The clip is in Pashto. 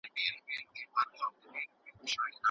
حقيقت تل يو وي خو بيان يې بېلابېل بڼې لري.